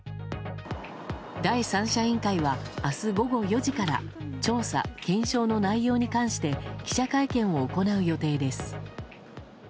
第三者委員会は明日午後４時から調査・検証の内容に関して記者会見を行う予定です。